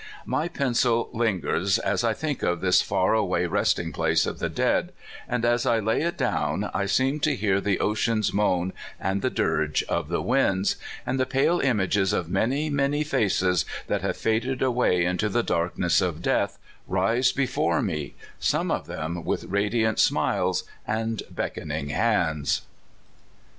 My pencil lingers, as I think of this far away resting place of the dead, and as I lay it down, I seem to hear the ocean's moan and the dirge of the winds ; and the pale images of many, many faces that have faded away into the darkness of death rise before me, some of them with radiant smiles and beckoning hands.